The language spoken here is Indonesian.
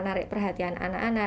narik perhatian anak anak